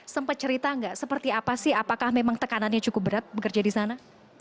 sempat cerita nggak seperti apa sih apakah memang tekanannya cukup berat bekerja di sana